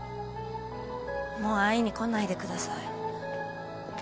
もう会いに来ないでください